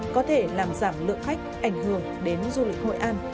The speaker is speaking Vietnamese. có thể làm giảm lượng khách ảnh hưởng đến du lịch hội an